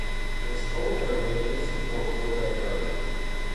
Its total area is and for built up area.